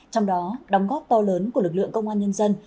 trong đó đóng góp to lớn của lực lượng công an nhân dân